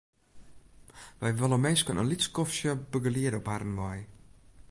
Wy wolle minsken in lyts skoftsje begeliede op harren wei.